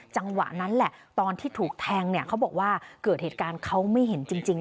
จังหวะนั้นแหละตอนที่ถูกแทงเนี่ยเขาบอกว่าเกิดเหตุการณ์เขาไม่เห็นจริง